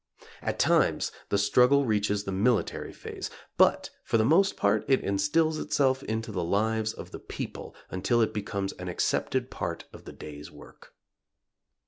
At times the struggle reaches the military phase, but for the most part it instills itself into the lives of the people until it becomes an accepted part of the day's work.